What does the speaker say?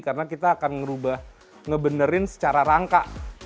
karena kita akan ngerubah ngebenerin secara rangka